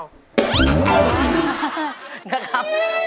นะครับ